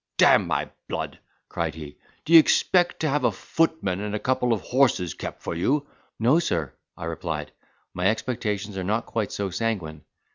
D—n my blood," cried he, "d'ye expect to have a footman and a couple of horses kept for you?" "No, sir," I replied, "my expectations are not quite so sanguine.